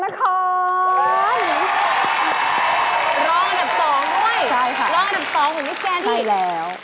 รองอันดับสองของมิสแกนที่